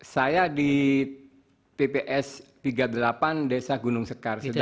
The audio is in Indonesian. saya di pps tiga puluh delapan desa gunung sekarung